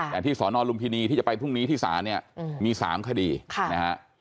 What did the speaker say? แต่ที่สอนอนลุมพินีที่จะไปพรุ่งนี้ที่ศาลเนี่ยมี๓คดีนะฮะ